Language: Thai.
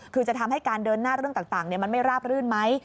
คือจะทำให้การเดินหน้าเรื่องต่างมันไม่ราบรื่นไหม